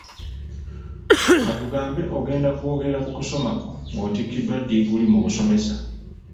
Ka tugambe ogenda kwogera ku kusoma kwo nga otikiddwa ddiguli mu busomesa.